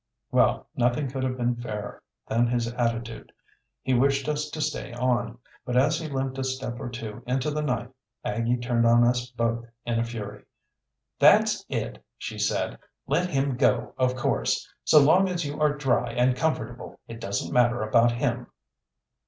Well, nothing could have been fairer than his attitude. He wished us to stay on. But as he limped a step or two into the night Aggie turned on us both in a fury. "That's it," she said. "Let him go, of course. So long as you are dry and comfortable it doesn't matter about him."